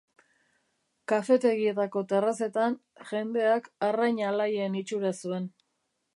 Kafetegietako terrazetan, jendeak arrain alaien itxura zuen.